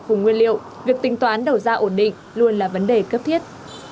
vùng nguyên liệu việc tính toán đầu ra ổn định luôn là vấn đề cấp thiết